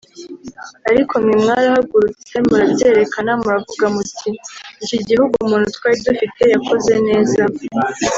Ariko mwe mwarahagurutse murabyerekana muravuga muti iki gihugu umuntu twari dufite yakoze neza